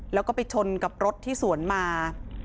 แล้วก็ไปชนกับรถที่สวนมา